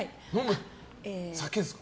酒ですか？